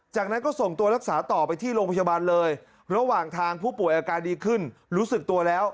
จากนั้นก็ส่งตัวรักษาต่อไปที่โรงพยาบาลเลยระหว่างทางผู้ป่วยอาการดีขึ้นรู้สึกตัวแล้ว